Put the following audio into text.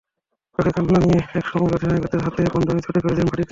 চোখে কান্না নিয়ে একসময় অধিনায়কের হাতের বন্ধনী ছুড়ে ফেলে দিলেন মাটিতে।